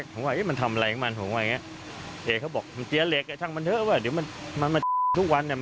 ผมก็บอกอุ้มไม่ไหวอะนะ